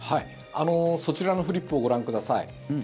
そちらのフリップをご覧ください。